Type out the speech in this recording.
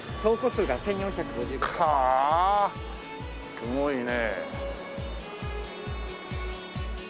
すごいね。